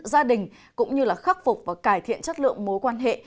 gia đình cũng như là khắc phục và cải thiện chất lượng mối quan hệ